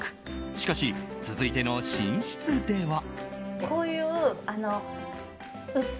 しかし、続いての寝室では。